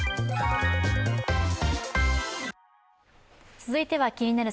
続いては「気になる！